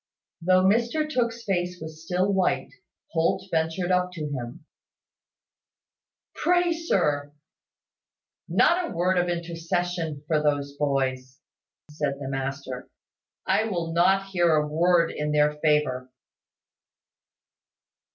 Though Mr Tooke's face was still white, Holt ventured up to him, "Pray, sir " "Not a word of intercession for those boys," said the master. "I will not hear a word in their favour."